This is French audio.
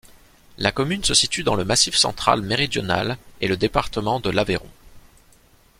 La commune se situe dans le Massif central méridional et le département de l'Aveyron.